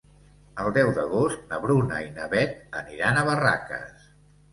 El deu d'agost na Bruna i na Beth aniran a Barraques.